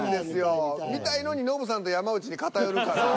見たいのにノブさんと山内に偏るから。